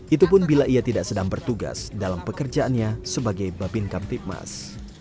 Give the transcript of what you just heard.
itu pun bila ia tidak sedang bertugas dalam pekerjaannya sebagai babin kamtipmas